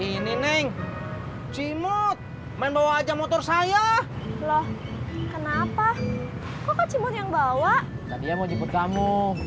ini neng cimut main bawa aja motor saya loh kenapa kok cimot yang bawa tadi ya mau jemput kamu